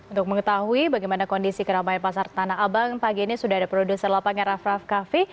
untuk mengetahui bagaimana kondisi keramaian pasar tanah abang pagi ini sudah ada produser lapangan raff raff kaffi